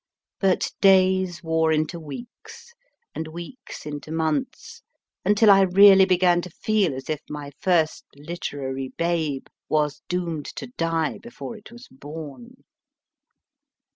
But days wore into weeks, and weeks into months, until I really began to feel as if my first literary babe was doomed to die before it was born.